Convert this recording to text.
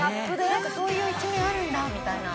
なんかそういう一面あるんだみたいな。